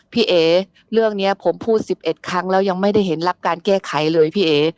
พี่เอ๋เรื่องนี้ผมพูด๑๑ครั้งแล้วยังไม่ได้เห็นรับการแก้ไขเลยพี่เอ๋